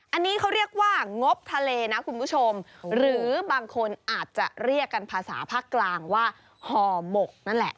อันนี้เขาเรียกว่างบทะเลนะคุณผู้ชมหรือบางคนอาจจะเรียกกันภาษาภาคกลางว่าห่อหมกนั่นแหละ